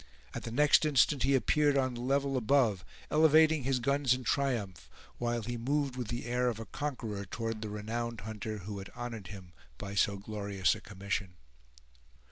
At the next instant he appeared on the level above, elevating his guns in triumph, while he moved with the air of a conqueror toward the renowned hunter who had honored him by so glorious a commission.